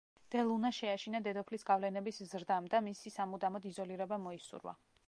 დე ლუნა შეაშინა დედოფლის გავლენების ზრდამ და მისი სამუდამოდ იზოლირება მოისურვა.